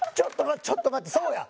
ちょっと待ってそうや！